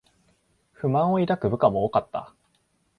不満を抱く部下も多かった